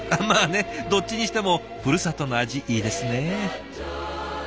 まあねどっちにしてもふるさとの味いいですね。